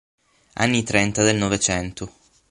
Anni Trenta del Novecento.